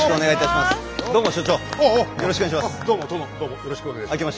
よろしくお願いします。